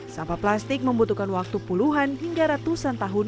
sampah plastik membutuhkan waktu puluhan hingga ratusan tahun